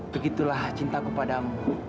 begitulah cinta ku padamu